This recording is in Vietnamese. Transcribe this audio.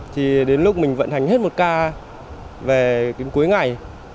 thì đến lúc mình vận hành hết một ca về đến cuối ngày